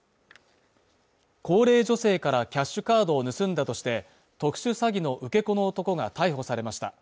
高齢女性からキャッシュカードを盗んだとして特殊詐欺の受け子の男が逮捕されました